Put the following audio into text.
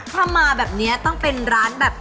ถ้ามาแบบนี้ต้องเป็นร้านแบบ